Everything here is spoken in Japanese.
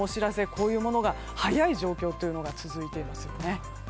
こういうものが早い状況が続いていますね。